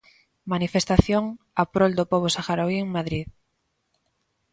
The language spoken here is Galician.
Manifestación a prol do pobo saharauí en Madrid.